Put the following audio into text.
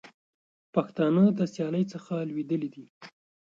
پښتانه د سیالۍ څخه لوېدلي دي.